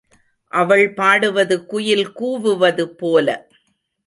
அவள் பாடுவது குயில் கூவுவது போல.